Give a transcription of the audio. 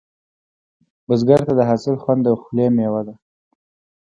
بزګر ته د حاصل خوند د خولې میوه ده